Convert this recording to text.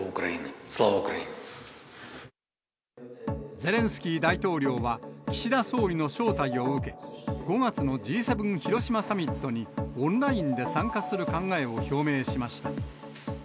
ゼレンスキー大統領は、岸田総理の招待を受け、５月のＧ７広島サミットにオンラインで参加する考えを表明しました。